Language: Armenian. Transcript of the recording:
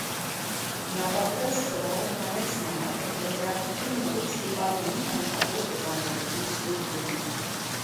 Նա պատռեց ծրարը, հանեց նամակը, և նրա քթին նորից դիպավ նույն անուշահոտ օծանելիքի սուր բուրմունքը: